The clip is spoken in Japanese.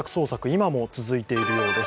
今も続いているようです。